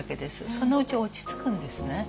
そのうち落ち着くんですね。